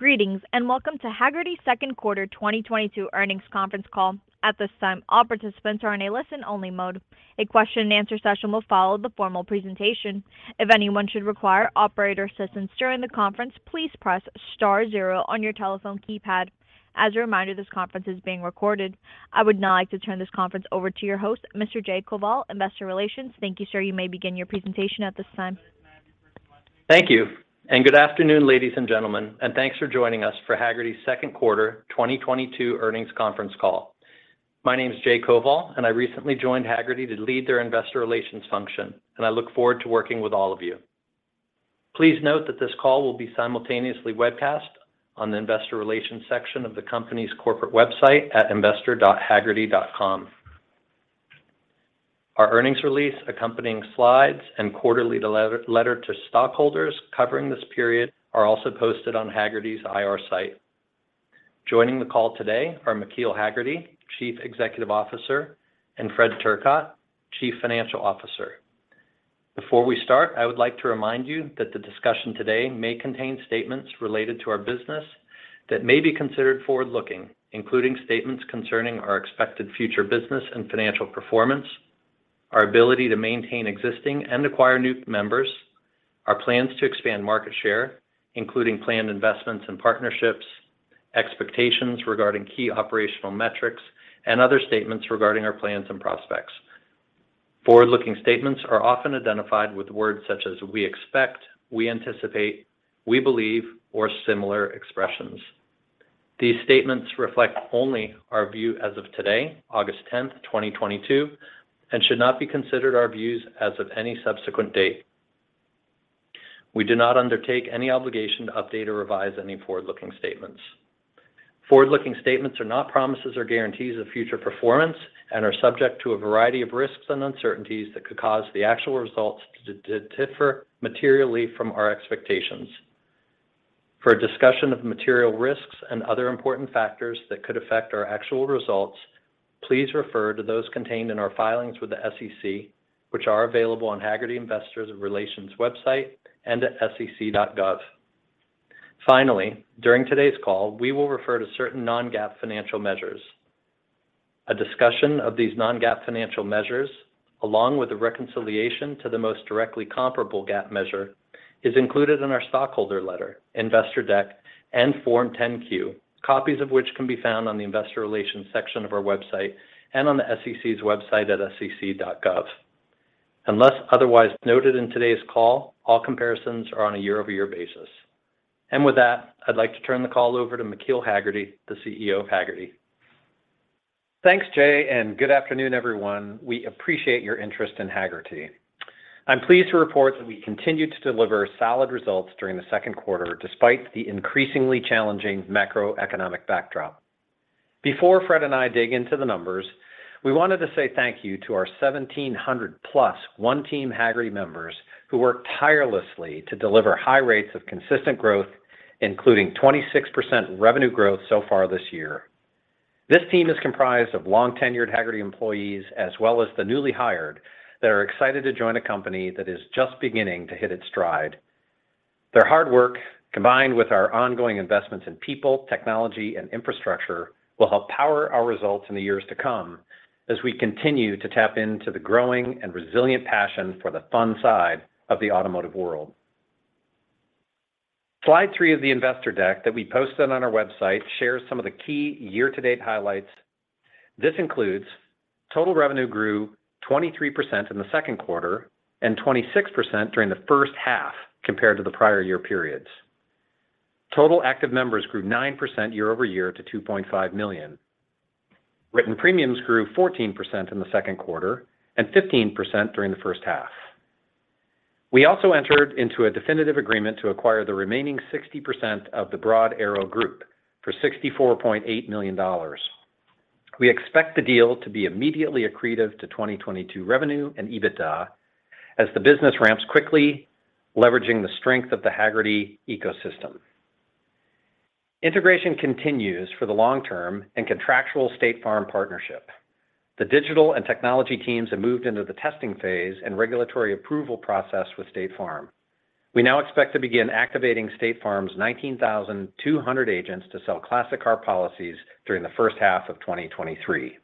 Greetings, and welcome to Hagerty's second quarter 2022 earnings conference call. At this time, all participants are in a listen-only mode. A question and answer session will follow the formal presentation. If anyone should require operator assistance during the conference, please press star zero on your telephone keypad. As a reminder, this conference is being recorded. I would now like to turn this conference over to your host, Mr. Jay Koval, Investor Relations. Thank you, sir. You may begin your presentation at this time. Thank you and good afternoon, ladies and gentlemen, and thanks for joining us for Hagerty's second quarter 2022 earnings conference call. My name is Jay Koval, and I recently joined Hagerty to lead their investor relations function, and I look forward to working with all of you. Please note that this call will be simultaneously webcast on the investor relations section of the company's corporate website at investor.hagerty.com. Our earnings release, accompanying slides, and quarterly letter to stockholders covering this period are also posted on Hagerty's IR site. Joining the call today are McKeel Hagerty, Chief Executive Officer, and Fred Turcotte, Chief Financial Officer. Before we start, I would like to remind you that the discussion today may contain statements related to our business that may be considered forward-looking, including statements concerning our expected future business and financial performance, our ability to maintain existing and acquire new members, our plans to expand market share, including planned investments and partnerships, expectations regarding key operational metrics, and other statements regarding our plans and prospects. Forward-looking statements are often identified with words such as we expect, we anticipate, we believe, or similar expressions. These statements reflect only our view as of today, August 10th, 2022, and should not be considered our views as of any subsequent date. We do not undertake any obligation to update or revise any forward-looking statements. Forward-looking statements are not promises or guarantees of future performance and are subject to a variety of risks and uncertainties that could cause the actual results to differ materially from our expectations. For a discussion of material risks and other important factors that could affect our actual results, please refer to those contained in our filings with the SEC, which are available on Hagerty Investor Relations website and at sec.gov. Finally, during today's call, we will refer to certain non-GAAP financial measures. A discussion of these non-GAAP financial measures, along with the reconciliation to the most directly comparable GAAP measure, is included in our stockholder letter, Investor Deck, and Form 10-Q, copies of which can be found on the investor relations section of our website and on the SEC's website at sec.gov. Unless otherwise noted in today's call, all comparisons are on a year-over-year basis. With that, I'd like to turn the call over to McKeel Hagerty, the CEO of Hagerty. Thanks, Jay, and good afternoon, everyone. We appreciate your interest in Hagerty. I'm pleased to report that we continued to deliver solid results during the second quarter despite the increasingly challenging macroeconomic backdrop. Before Fred and I dig into the numbers, we wanted to say thank you to our 1,700+ One Team Hagerty members who work tirelessly to deliver high rates of consistent growth, including 26% revenue growth so far this year. This team is comprised of long-tenured Hagerty employees as well as the newly hired that are excited to join a company that is just beginning to hit its stride. Their hard work, combined with our ongoing investments in people, technology, and infrastructure, will help power our results in the years to come as we continue to tap into the growing and resilient passion for the fun side of the Automotive World. Slide three of the Investor Deck that we posted on our website shares some of the key year-to-date highlights. This includes total revenue grew 23% in the second quarter and 26% during the first half compared to the prior year periods. Total active members grew 9% year-over-year to 2.5 million. Written premiums grew 14% in the second quarter and 15% during the first half. We also entered into a definitive agreement to acquire the remaining 60% of the Broad Arrow Group for $64.8 million. We expect the deal to be immediately accretive to 2022 revenue and EBITDA as the business ramps quickly, leveraging the strength of the Hagerty ecosystem. Integration continues for the long term and contractual State Farm partnership. The digital and technology teams have moved into the testing phase and regulatory approval process with State Farm. We now expect to begin activating State Farm's 19,200 agents to sell classic car policies during the first half of 2023.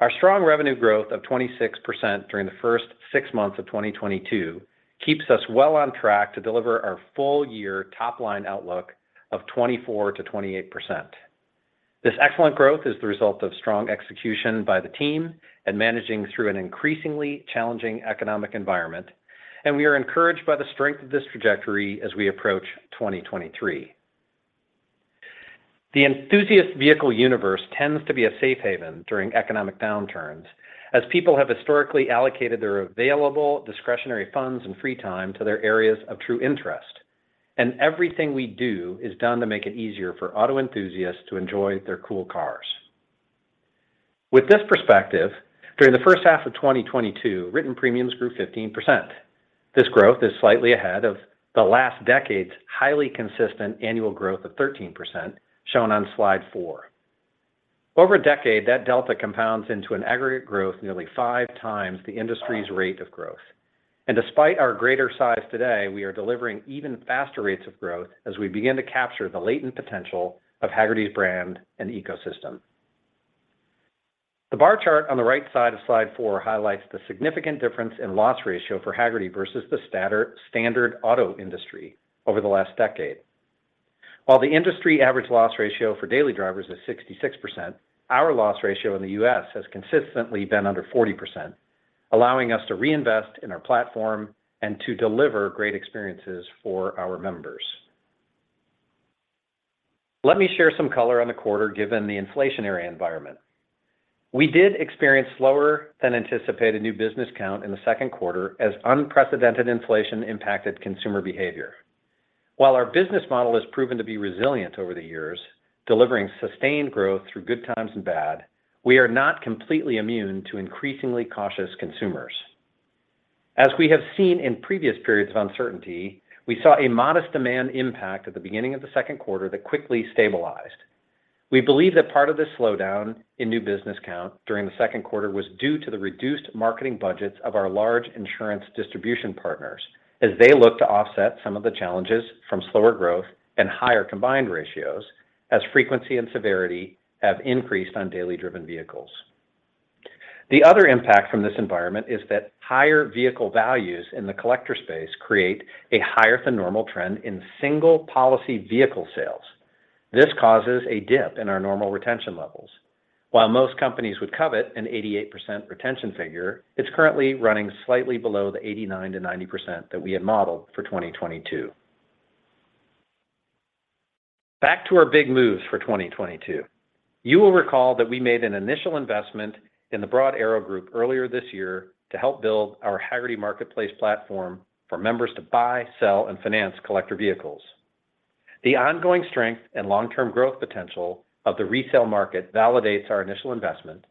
Our strong revenue growth of 26% during the first six months of 2022 keeps us well on track to deliver our full year top-line outlook of 24%-28%. This excellent growth is the result of strong execution by the team and managing through an increasingly challenging economic environment, and we are encouraged by the strength of this trajectory as we approach 2023. The enthusiast vehicle universe tends to be a safe haven during economic downturns, as people have historically allocated their available discretionary funds and free time to their areas of true interest. Everything we do is done to make it easier for auto enthusiasts to enjoy their cool cars. With this perspective, during the first half of 2022, written premiums grew 15%. This growth is slightly ahead of the last decade's highly consistent annual growth of 13%, shown on slide four. Over a decade, that delta compounds into an aggregate growth nearly 5x the industry's rate of growth. Despite our greater size today, we are delivering even faster rates of growth as we begin to capture the latent potential of Hagerty's brand and ecosystem. The bar chart on the right side of slide four highlights the significant difference in loss ratio for Hagerty versus the standard auto industry over the last decade. While the industry average loss ratio for daily drivers is 66%, our loss ratio in the U.S. has consistently been under 40%, allowing us to reinvest in our platform and to deliver great experiences for our members. Let me share some color on the quarter given the inflationary environment. We did experience slower than anticipated new business count in the second quarter as unprecedented inflation impacted consumer behavior. While our business model has proven to be resilient over the years, delivering sustained growth through good times and bad, we are not completely immune to increasingly cautious consumers. As we have seen in previous periods of uncertainty, we saw a modest demand impact at the beginning of the second quarter that quickly stabilized. We believe that part of the slowdown in new business count during the second quarter was due to the reduced marketing budgets of our large insurance distribution partners as they look to offset some of the challenges from slower growth and higher combined ratios as frequency and severity have increased on daily driven vehicles. The other impact from this environment is that higher vehicle values in the collector space create a higher than normal trend in single policy vehicle sales. This causes a dip in our normal retention levels. While most companies would covet an 88% retention figure, it's currently running slightly below the 89%-90% that we had modeled for 2022. Back to our big moves for 2022. You will recall that we made an initial investment in the Broad Arrow Group earlier this year to help build our Hagerty Marketplace platform for members to buy, sell, and finance collector vehicles. The ongoing strength and long-term growth potential of the resale market validates our initial investment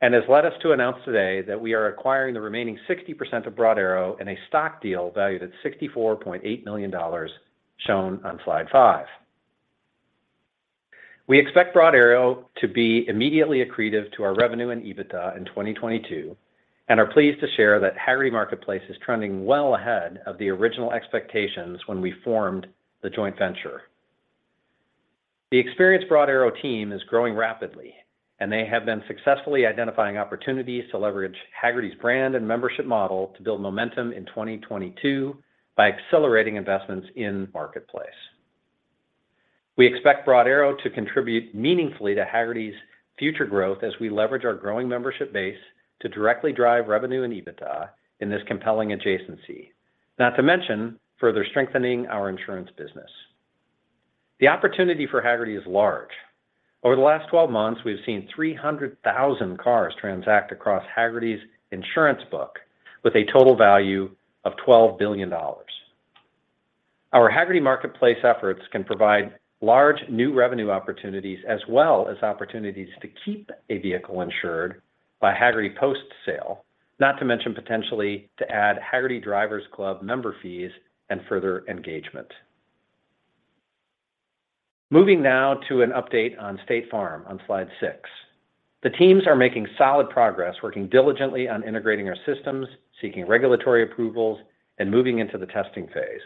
and has led us to announce today that we are acquiring the remaining 60% of Broad Arrow in a stock deal valued at $64.8 million shown on slide five. We expect Broad Arrow to be immediately accretive to our revenue and EBITDA in 2022 and are pleased to share that Hagerty Marketplace is trending well ahead of the original expectations when we formed the joint venture. The experienced Broad Arrow team is growing rapidly, and they have been successfully identifying opportunities to leverage Hagerty's brand and membership model to build momentum in 2022 by accelerating investments in Marketplace. We expect Broad Arrow to contribute meaningfully to Hagerty's future growth as we leverage our growing membership base to directly drive revenue and EBITDA in this compelling adjacency. Not to mention, further strengthening our insurance business. The opportunity for Hagerty is large. Over the last 12 months, we've seen 300,000 cars transact across Hagerty's insurance book with a total value of $12 billion. Our Hagerty Marketplace efforts can provide large new revenue opportunities as well as opportunities to keep a vehicle insured by Hagerty post-sale, not to mention potentially to add Hagerty Drivers Club member fees and further engagement. Moving now to an update on State Farm on slide six. The teams are making solid progress working diligently on integrating our systems, seeking regulatory approvals, and moving into the testing phase.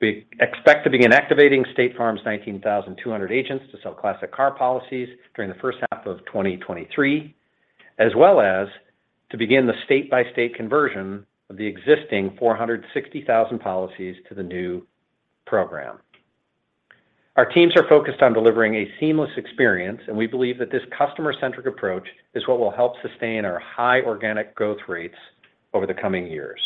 We expect to begin activating State Farm's 19,200 agents to sell classic car policies during the first half of 2023, as well as to begin the state-by-state conversion of the existing 460,000 policies to the new program. Our teams are focused on delivering a seamless experience, and we believe that this customer-centric approach is what will help sustain our high organic growth rates over the coming years.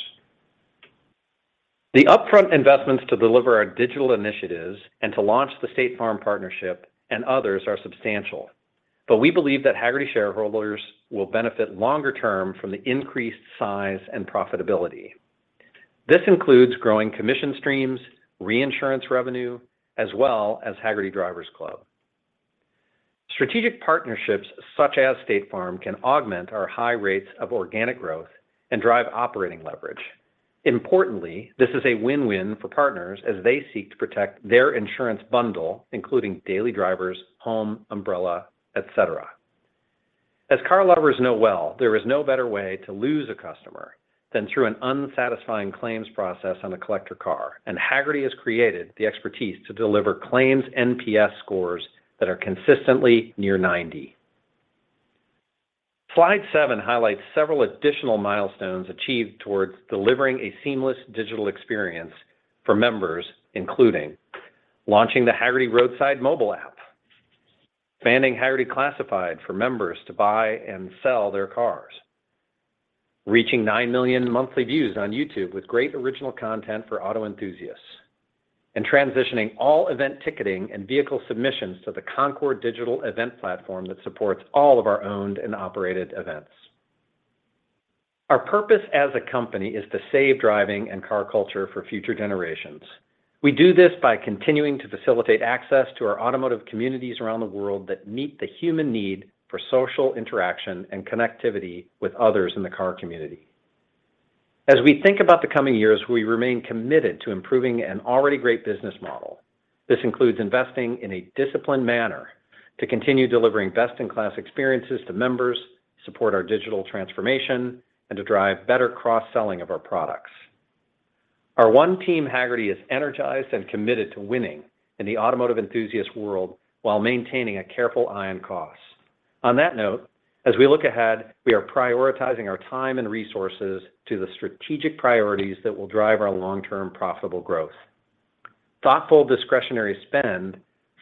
The upfront investments to deliver our digital initiatives and to launch the State Farm partnership and others are substantial, but we believe that Hagerty shareholders will benefit longer term from the increased size and profitability. This includes growing commission streams, reinsurance revenue, as well as Hagerty Drivers Club. Strategic partnerships such as State Farm can augment our high rates of organic growth and drive operating leverage. Importantly, this is a win-win for partners as they seek to protect their insurance bundle, including daily drivers, home, umbrella, et cetera. As car lovers know well, there is no better way to lose a customer than through an unsatisfying claims process on a collector car, and Hagerty has created the expertise to deliver claims NPS scores that are consistently near 90. Slide seven highlights several additional milestones achieved towards delivering a seamless digital experience for members, including launching the Hagerty Roadside mobile app, expanding Hagerty Classifieds for members to buy and sell their cars, reaching 9 million monthly views on YouTube with great original content for auto enthusiasts, and transitioning all event ticketing and vehicle submissions to the Concours digital event platform that supports all of our owned and operated events. Our purpose as a company is to save driving and car culture for future generations. We do this by continuing to facilitate access to our automotive communities around the world that meet the human need for social interaction and connectivity with others in the car community. As we think about the coming years, we remain committed to improving an already great business model. This includes investing in a disciplined manner to continue delivering best-in-class experiences to members, support our digital transformation, and to drive better cross-selling of our products. Our one team Hagerty is energized and committed to winning in the automotive enthusiast world while maintaining a careful eye on costs. On that note, as we look ahead, we are prioritizing our time and resources to the strategic priorities that will drive our long-term profitable growth. Thoughtful discretionary spend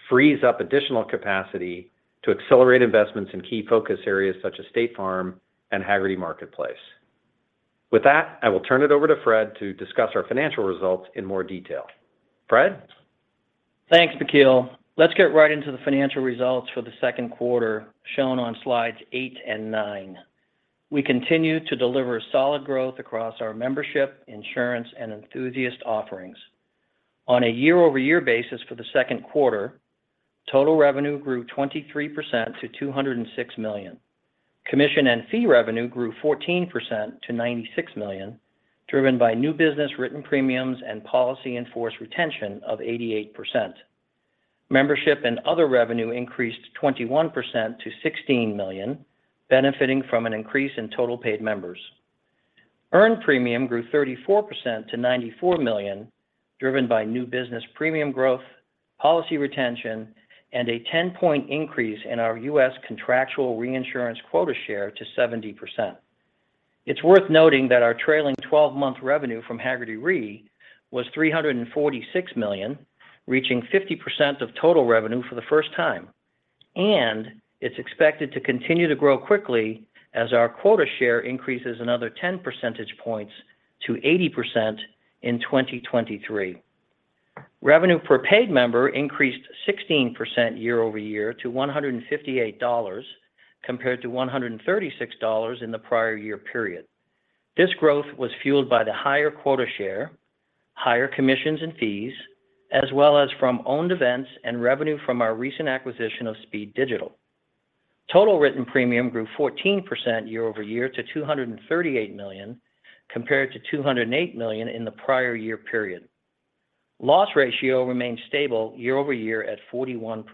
frees up additional capacity to accelerate investments in key focus areas such as State Farm and Hagerty Marketplace. With that, I will turn it over to Fred to discuss our financial results in more detail. Fred? Thanks, McKeel. Let's get right into the financial results for the second quarter shown on slides eight and nine. We continue to deliver solid growth across our membership, insurance, and enthusiast offerings. On a year-over-year basis for the second quarter, total revenue grew 23% to $206 million. Commission and fee revenue grew 14% to $96 million, driven by new business written premiums and policy in force retention of 88%. Membership and other revenue increased 21% to $16 million, benefiting from an increase in total paid members. Earned premium grew 34% to $94 million, driven by new business premium growth, policy retention, and a 10-point increase in our U.S. contractual reinsurance quota share to 70%. It's worth noting that our trailing 12-month revenue from Hagerty Re was $346 million, reaching 50% of total revenue for the first time. It's expected to continue to grow quickly as our quota share increases another 10 percentage points to 80% in 2023. Revenue per paid member increased 16% year-over-year to $158 compared to $136 in the prior year period. This growth was fueled by the higher quota share, higher commissions and fees, as well as from owned events and revenue from our recent acquisition of Speed Digital. Total written premium grew 14% year-over-year to $238 million, compared to $208 million in the prior year period. Loss ratio remained stable year-over-year at 41%.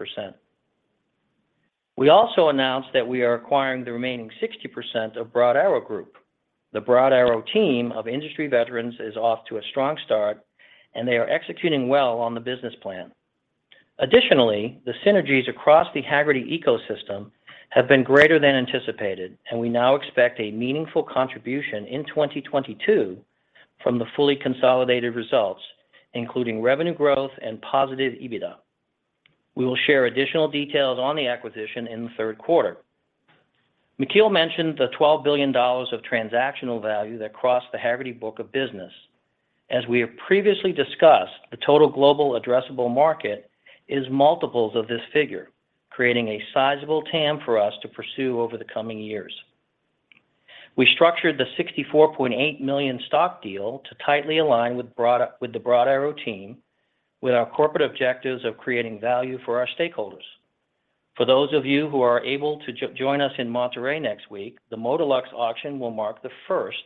We also announced that we are acquiring the remaining 60% of Broad Arrow Group. The Broad Arrow team of industry veterans is off to a strong start, and they are executing well on the business plan. Additionally, the synergies across the Hagerty ecosystem have been greater than anticipated, and we now expect a meaningful contribution in 2022 from the fully consolidated results, including revenue growth and positive EBITDA. We will share additional details on the acquisition in the third quarter. McKeel mentioned the $12 billion of transactional value that crossed the Hagerty book of business. As we have previously discussed, the total global addressable market is multiples of this figure, creating a sizable TAM for us to pursue over the coming years. We structured the $64.8 million stock deal to tightly align with the Broad Arrow team with our corporate objectives of creating value for our stakeholders. For those of you who are able to join us in Monterey next week, the MOTORLUX auction will mark the first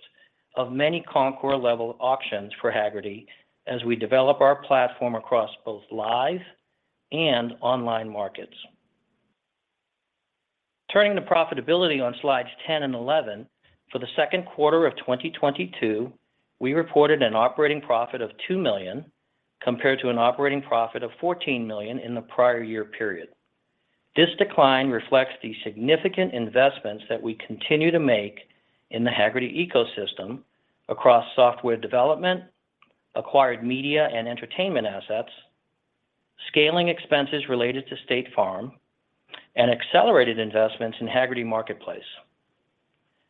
of many Concours-level auctions for Hagerty as we develop our platform across both live and online markets. Turning to profitability on slides 10 and 11, for the second quarter of 2022, we reported an operating profit of $2 million compared to an operating profit of $14 million in the prior year period. This decline reflects the significant investments that we continue to make in the Hagerty ecosystem across software development, acquired media and entertainment assets, scaling expenses related to State Farm, and accelerated investments in Hagerty Marketplace.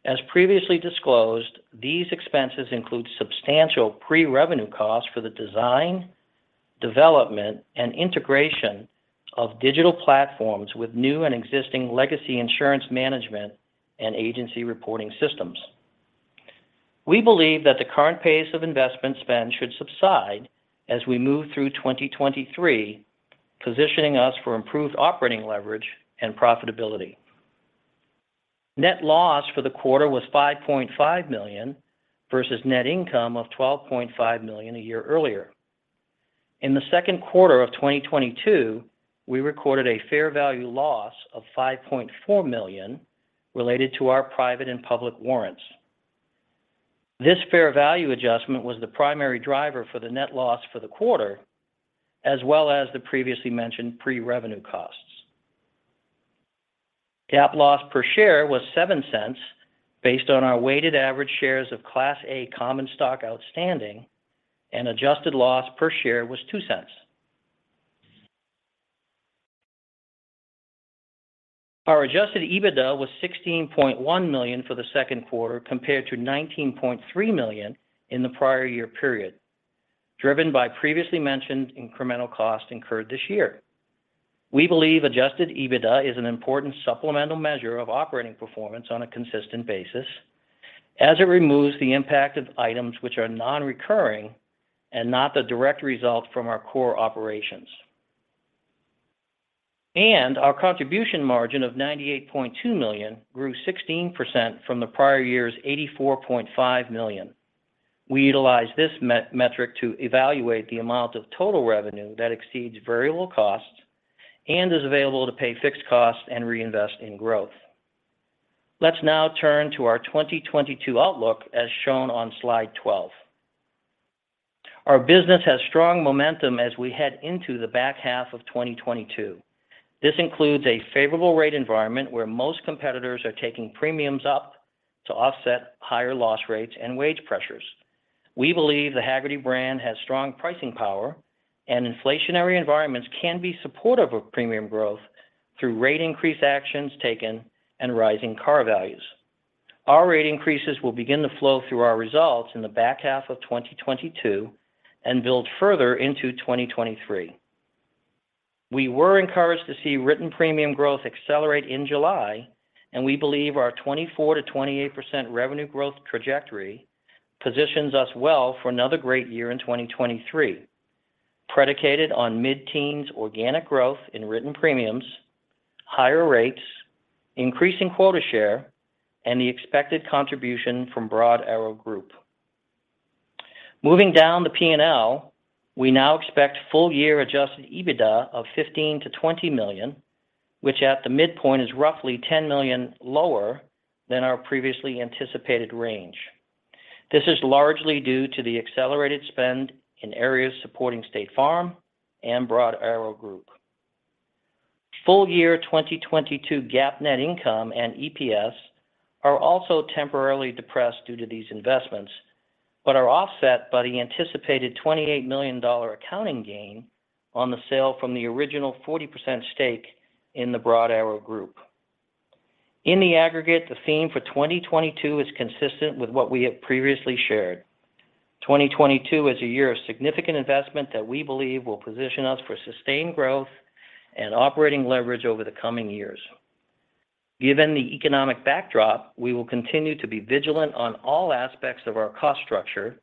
As previously disclosed, these expenses include substantial pre-revenue costs for the design, development, and integration of digital platforms with new and existing legacy insurance management and agency reporting systems. We believe that the current pace of investment spend should subside as we move through 2023, positioning us for improved operating leverage and profitability. Net loss for the quarter was $5.5 million versus net income of $12.5 million a year earlier. In the second quarter of 2022, we recorded a fair value loss of $5.4 million related to our private and public warrants. This fair value adjustment was the primary driver for the net loss for the quarter, as well as the previously mentioned pre-revenue costs. GAAP loss per share was $0.07 based on our weighted average shares of Class A common stock outstanding, and adjusted loss per share was $0.02. Our adjusted EBITDA was $16.1 million for the second quarter compared to $19.3 million in the prior year period, driven by previously mentioned incremental costs incurred this year. We believe adjusted EBITDA is an important supplemental measure of operating performance on a consistent basis as it removes the impact of items which are non-recurring and not the direct result from our core operations. Our contribution margin of $98.2 million grew 16% from the prior year's $84.5 million. We utilize this metric to evaluate the amount of total revenue that exceeds variable costs and is available to pay fixed costs and reinvest in growth. Let's now turn to our 2022 outlook as shown on slide 12. Our business has strong momentum as we head into the back half of 2022. This includes a favorable rate environment where most competitors are taking premiums up to offset higher loss rates and wage pressures. We believe the Hagerty brand has strong pricing power, and inflationary environments can be supportive of premium growth through rate increase actions taken and rising car values. Our rate increases will begin to flow through our results in the back half of 2022 and build further into 2023. We were encouraged to see written premium growth accelerate in July, and we believe our 24%-28% revenue growth trajectory positions us well for another great year in 2023, predicated on mid-teens organic growth in written premiums, higher rates, increasing quota share, and the expected contribution from Broad Arrow Group. Moving down the P&L, we now expect full year adjusted EBITDA of $15 million-$20 million, which at the midpoint is roughly $10 million lower than our previously anticipated range. This is largely due to the accelerated spend in areas supporting State Farm and Broad Arrow Group. Full year 2022 GAAP net income and EPS are also temporarily depressed due to these investments, but are offset by the anticipated $28 million accounting gain on the sale from the original 40% stake in the Broad Arrow Group. In the aggregate, the theme for 2022 is consistent with what we have previously shared. 2022 is a year of significant investment that we believe will position us for sustained growth and operating leverage over the coming years. Given the economic backdrop, we will continue to be vigilant on all aspects of our cost structure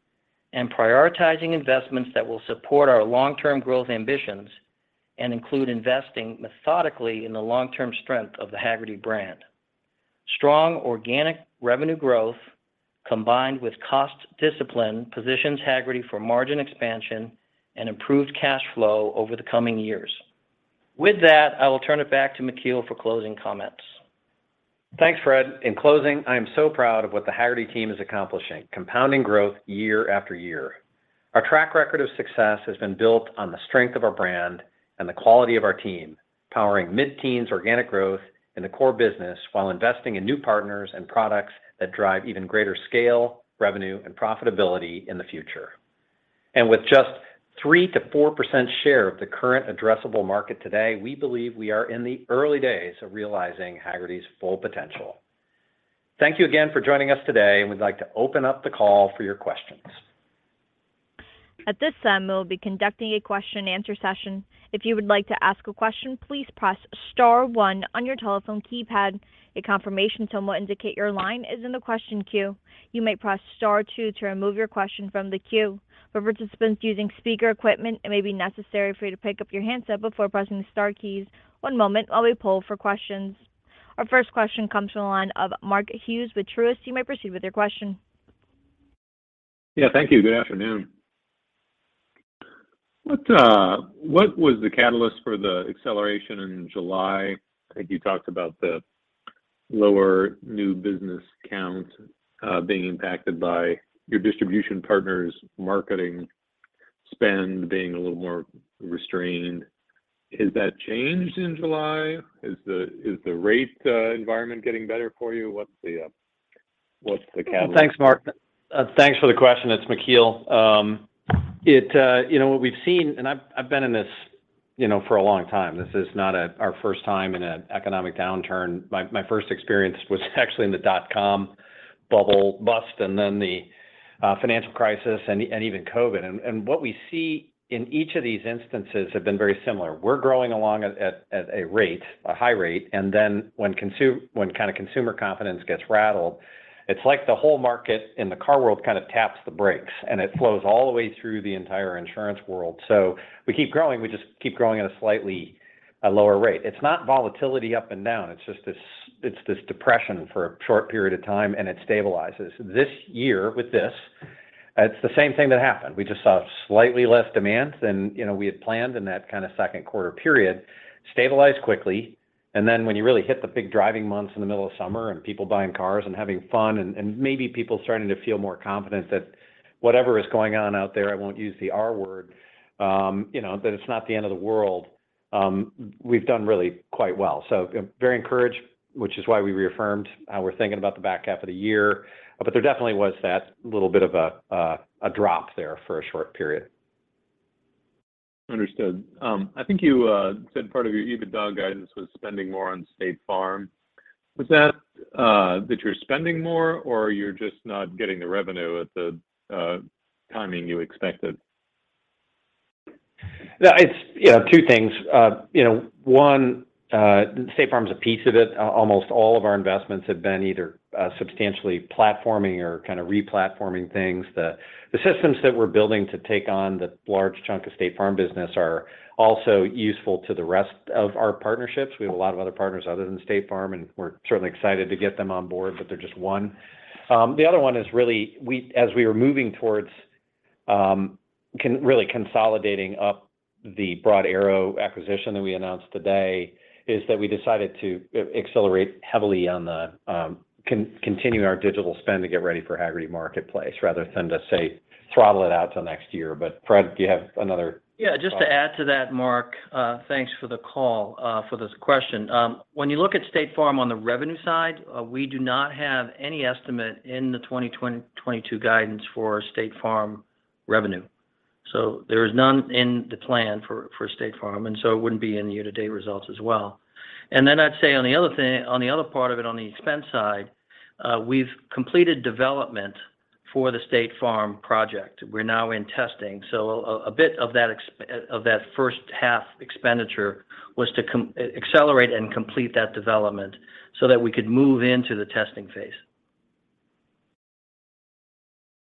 and prioritizing investments that will support our long-term growth ambitions and include investing methodically in the long-term strength of the Hagerty brand. Strong organic revenue growth combined with cost discipline positions Hagerty for margin expansion and improved cash flow over the coming years. With that, I will turn it back to McKeel for closing comments. Thanks, Fred. In closing, I am so proud of what the Hagerty team is accomplishing, compounding growth year-after-year. Our track record of success has been built on the strength of our brand and the quality of our team, powering mid-teens organic growth in the core business while investing in new partners and products that drive even greater scale, revenue, and profitability in the future. With just 3%-4% share of the current addressable market today, we believe we are in the early days of realizing Hagerty's full potential. Thank you again for joining us today, and we'd like to open up the call for your questions. At this time, we'll be conducting a question and answer session. If you would like to ask a question, please press star one on your telephone keypad. A confirmation tone will indicate your line is in the question queue. You may press star two to remove your question from the queue. For participants using speaker equipment, it may be necessary for you to pick up your handset before pressing the star keys. One moment while we poll for questions. Our first question comes from the line of Mark Hughes with Truist. You may proceed with your question. Yeah. Thank you. Good afternoon. What was the catalyst for the acceleration in July? I think you talked about the lower new business count being impacted by your distribution partners' marketing spend being a little more restrained. Has that changed in July? Is the rate environment getting better for you? What's the catalyst? Well, thanks, Mark. Thanks for the question. It's McKeel. You know, what we've seen. I've been in this, you know, for a long time. This is not our first time in an economic downturn. My first experience was actually in the dot-com bubble burst and then the financial crisis and even COVID. What we see in each of these instances have been very similar. We're growing along at a high rate, and then when kind of consumer confidence gets rattled, it's like the whole market in the car world kind of taps the brakes, and it flows all the way through the entire insurance world. We keep growing. We just keep growing at a lower rate. It's not volatility up and down. It's just this depression for a short period of time, and it stabilizes. This year with this, it's the same thing that happened. We just saw slightly less demand than, you know, we had planned in that kind of second quarter period, stabilized quickly, and then when you really hit the big driving months in the middle of summer and people buying cars and having fun and maybe people starting to feel more confident that whatever is going on out there, I won't use the R word, you know, that it's not the end of the world, we've done really quite well. I'm very encouraged, which is why we reaffirmed how we're thinking about the back half of the year. There definitely was that little bit of a drop there for a short period. Understood. I think you said part of your EBITDA guidance was spending more on State Farm. Was that you're spending more or you're just not getting the revenue at the timing you expected? Yeah, it's, you know, two things. You know, one, State Farm's a piece of it. Almost all of our investments have been either substantially platforming or kind of re-platforming things. The systems that we're building to take on the large chunk of State Farm business are also useful to the rest of our partnerships. We have a lot of other partners other than State Farm, and we're certainly excited to get them on board, but they're just one. The other one is really as we are moving towards really consolidating up the Broad Arrow acquisition that we announced today, is that we decided to accelerate heavily on the continuing our digital spend to get ready for Hagerty Marketplace rather than to, say, throttle it out till next year. But Fred, do you have another thought? Yeah, just to add to that, Mark, thanks for the call, for this question. When you look at State Farm on the revenue side, we do not have any estimate in the 2022 guidance for State Farm revenue. There is none in the plan for State Farm, and so it wouldn't be in the year-to-date results as well. Then I'd say on the other thing, on the other part of it, on the expense side, we've completed development for the State Farm project. We're now in testing. A bit of that expense of that first half expenditure was to accelerate and complete that development so that we could move into the testing phase.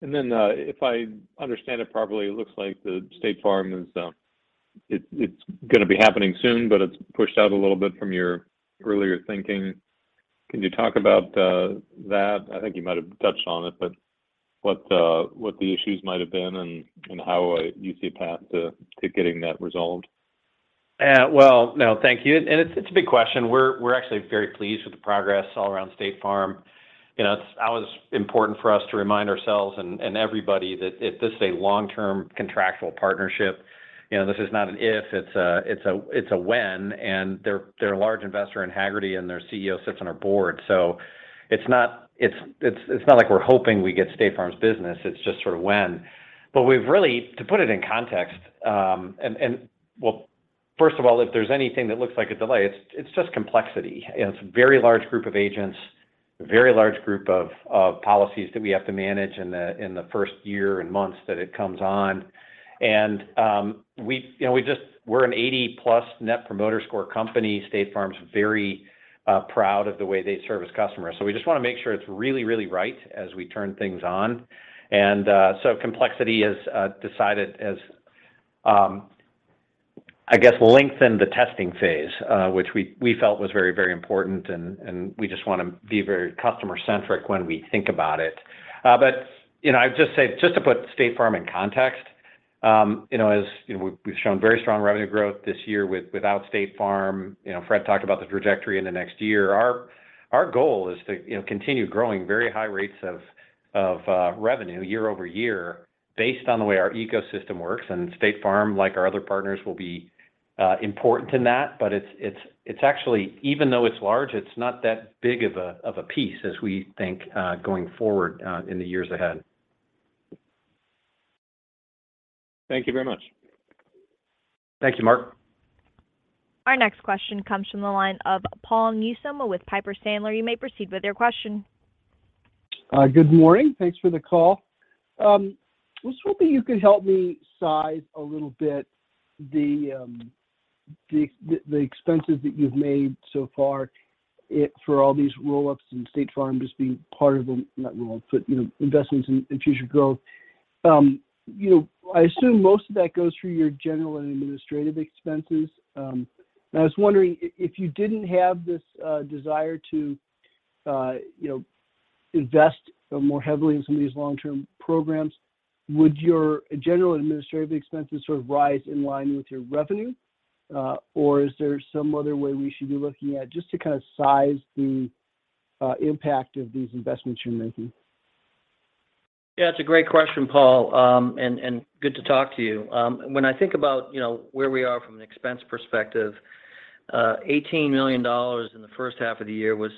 If I understand it properly, it looks like the State Farm is, it's gonna be happening soon, but it's pushed out a little bit from your earlier thinking. Can you talk about that? I think you might have touched on it, but what the issues might have been and how you see a path to getting that resolved? Well, no, thank you. It's a big question. We're actually very pleased with the progress all around State Farm. You know, it's always important for us to remind ourselves and everybody that this is a long-term contractual partnership. You know, this is not an if, it's a when, and they're a large investor in Hagerty, and their CEO sits on our board. It's not like we're hoping we get State Farm's business, it's just sort of when. We've really, to put it in context. Well, first of all, if there's anything that looks like a delay, it's just complexity. It's a very large group of agents, very large group of policies that we have to manage in the first year and months that it comes on. You know, we're an 80+ Net Promoter Score company. State Farm's very proud of the way they service customers. We just wanna make sure it's really, really right as we turn things on. Complexity has decided, I guess, lengthened the testing phase, which we felt was very, very important, and we just wanna be very customer-centric when we think about it. You know, I'd just say to put State Farm in context, you know, we've shown very strong revenue growth this year without State Farm. You know, Fred talked about the trajectory in the next year. Our goal is to, you know, continue growing very high rates of revenue year-over-year based on the way our ecosystem works, and State Farm, like our other partners, will be important in that. It's actually, even though it's large, it's not that big of a piece as we think going forward in the years ahead. Thank you very much. Thank you, Mark. Our next question comes from the line of Paul Newsome with Piper Sandler. You may proceed with your question. Good morning. Thanks for the call. I was hoping you could help me size a little bit the expenses that you've made so far for all these roll-ups and State Farm just being part of the not roll-up, but you know, investments in future growth. I assume most of that goes through your general and administrative expenses. I was wondering if you didn't have this desire to you know, invest more heavily in some of these long-term programs, would your general and administrative expenses sort of rise in line with your revenue, or is there some other way we should be looking at just to kind of size the impact of these investments you're making? Yeah, it's a great question, Paul, and good to talk to you. When I think about, you know, where we are from an expense perspective, $18 million in the first half of the year was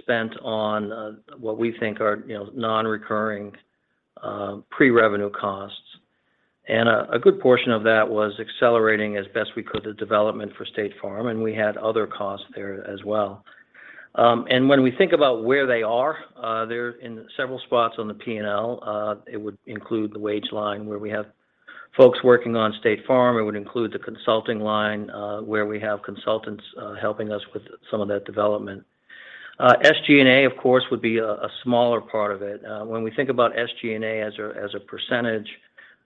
spent on what we think are, you know, non-recurring pre-revenue costs. A good portion of that was accelerating as best we could the development for State Farm, and we had other costs there as well. When we think about where they are, they're in several spots on the P&L. It would include the wage line where we have folks working on State Farm. It would include the consulting line, where we have consultants helping us with some of that development. SG&A, of course, would be a smaller part of it. When we think about SG&A as a percentage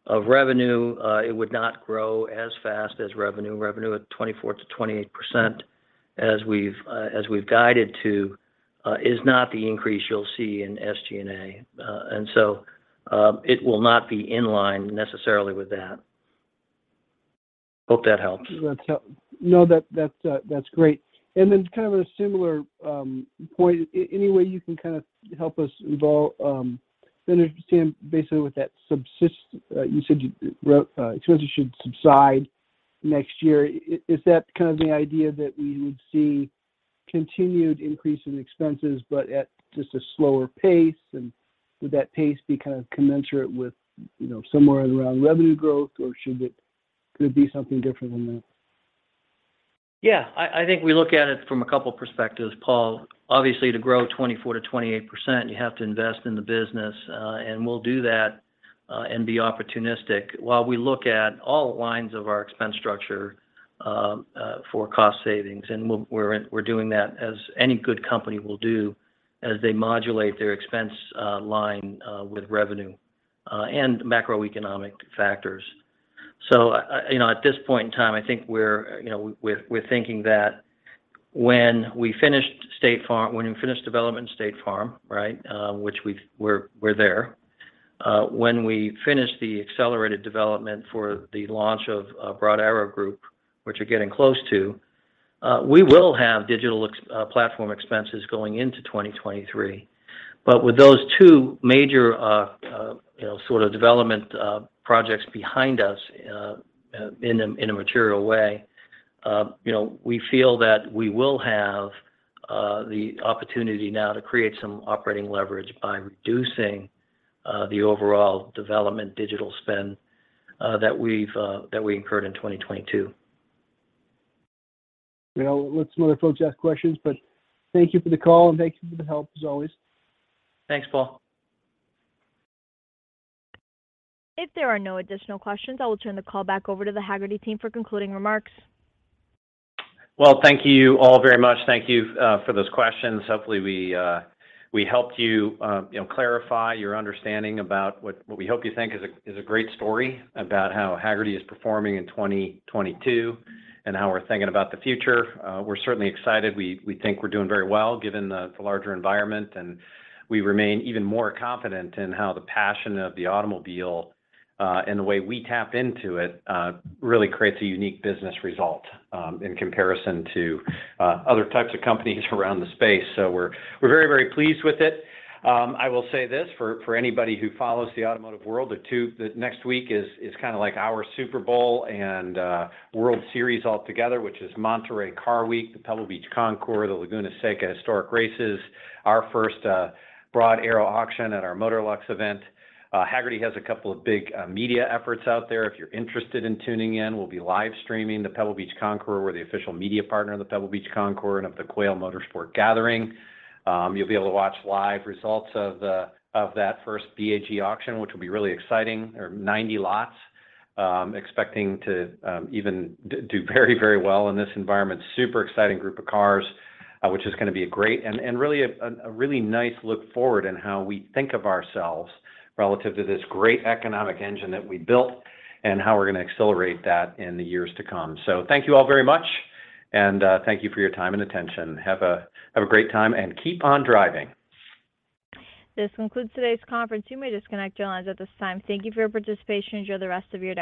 of revenue, it would not grow as fast as revenue. Revenue at 24%-28% as we've guided to is not the increase you'll see in SG&A. It will not be in line necessarily with that. Hope that helps. That's helpful. That's great. Kind of a similar point. Any way you can kind of help us understand basically with that subside you said expenses should subside next year? Is that kind of the idea that we would see continued increase in expenses, but at just a slower pace? Would that pace be kind of commensurate with, you know, somewhere around revenue growth, or should it, could it be something different than that? Yeah, I think we look at it from a couple perspectives, Paul. Obviously, to grow 24%-28%, you have to invest in the business, and we'll do that, and be opportunistic while we look at all lines of our expense structure for cost savings. We're doing that as any good company will do as they modulate their expense line with revenue and macroeconomic factors. You know, at this point in time, I think we're, you know, thinking that when we finish development in State Farm, right? Which we're there. When we finish the accelerated development for the launch of Broad Arrow Group, which we're getting close to, we will have digital platform expenses going into 2023. With those two major, you know, sort of development projects behind us in a material way, you know, we feel that we will have the opportunity now to create some operating leverage by reducing the overall development digital spend that we incurred in 2022. You know, let some other folks ask questions, but thank you for the call and thank you for the help as always. Thanks, Paul. If there are no additional questions, I will turn the call back over to the Hagerty team for concluding remarks. Well, thank you all very much. Thank you for those questions. Hopefully we helped you know, clarify your understanding about what we hope you think is a great story about how Hagerty is performing in 2022 and how we're thinking about the future. We're certainly excited. We think we're doing very well given the larger environment, and we remain even more confident in how the passion of the automobile and the way we tap into it really creates a unique business result in comparison to other types of companies around the space. We're very, very pleased with it. I will say this for anybody who follows the Automotive World, the next week is kinda like our Super Bowl and World Series all together, which is Monterey Car Week, the Pebble Beach Concours, the Laguna Seca Historic Races, our first Broad Arrow auction at our MOTORLUX event. Hagerty has a couple of big media efforts out there. If you're interested in tuning in, we'll be live streaming the Pebble Beach Concours. We're the official media partner of the Pebble Beach Concours and of The Quail, A Motorsports Gathering. You'll be able to watch live results of that first BAG auction, which will be really exciting. There are 90 lots expecting to even do very well in this environment. Super exciting group of cars, which is gonna be a great and really, a really nice look forward in how we think of ourselves relative to this great economic engine that we built and how we're gonna accelerate that in the years to come. Thank you all very much, and thank you for your time and attention. Have a great time, and keep on driving. This concludes today's conference. You may disconnect your lines at this time. Thank you for your participation. Enjoy the rest of your day.